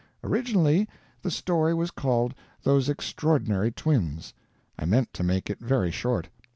Originally the story was called "Those Extraordinary Twins." I meant to make it very short.